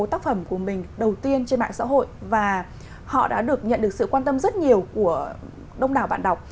các bố tác phẩm của mình đầu tiên trên mạng xã hội và họ đã được nhận được sự quan tâm rất nhiều của đông đảo bản đọc